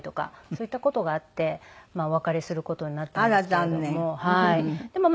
そういった事があってお別れする事になったんですけれども。